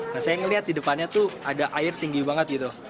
nah saya ngelihat di depannya tuh ada air tinggi banget gitu